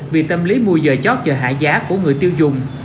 vì tâm lý mua dời chót chờ hạ giá của người tiêu dùng